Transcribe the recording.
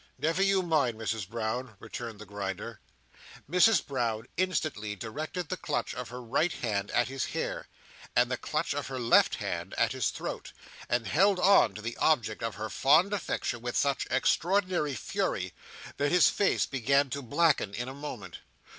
"Never you mind, Misses Brown," returned the Grinder. Mrs Brown instantly directed the clutch of her right hand at his hair, and the clutch of her left hand at his throat, and held on to the object of her fond affection with such extraordinary fury, that his face began to blacken in a moment.